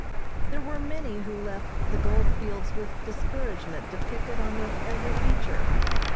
There were many who left the gold fields with discouragement depicted upon their every feature.